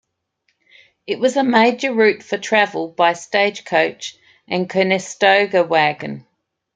It was a major route for travel by stagecoach and Conestoga wagon.